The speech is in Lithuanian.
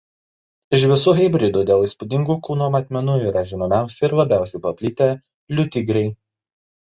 Iš visų hibridų dėl įspūdingų kūno matmenų yra žinomiausi ir labiausiai paplitę liūtigriai.